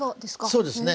そうですね。